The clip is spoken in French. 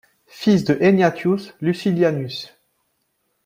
Fils de Egnatius Lucillianus.